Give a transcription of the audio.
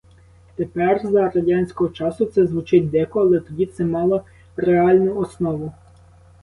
Тепер, за радянського часу, це звучить дико, але тоді це мало реальну основу.